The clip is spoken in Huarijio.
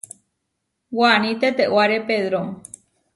Waní tetewáre Pedró.